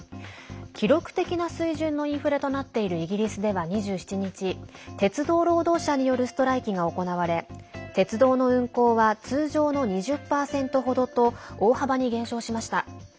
記録的な水準のインフレとなっているイギリスでは２７日鉄道労働者によるストライキが行われ鉄道の運行は通常の２０％ほどと大幅に減少しました。